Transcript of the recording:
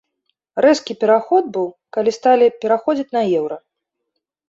Рэзкі пераход быў, калі сталі пераходзіць на еўра.